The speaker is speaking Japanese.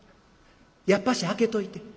やっぱし開けといて。